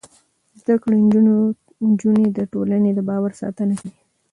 زده کړې نجونې د ټولنې د باور ساتنه کوي.